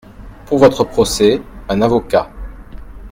Pour votre procès, un avocat…